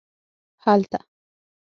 هلته